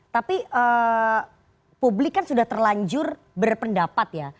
tapi publik kan sudah terlanjur berpendapat ya